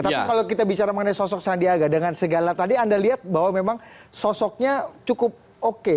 tapi kalau kita bicara mengenai sosok sandiaga dengan segala tadi anda lihat bahwa memang sosoknya cukup oke